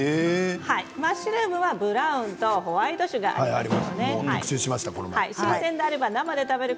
マッシュルームは、ブラウンとホワイト種があります。